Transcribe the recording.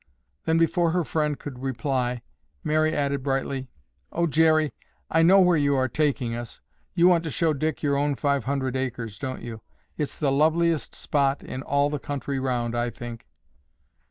Then, before her friend could reply, Mary added brightly, "Oh, Jerry, I know where you are taking us. You want to show Dick your own five hundred acres, don't you? It's the loveliest spot in all the country round, I think."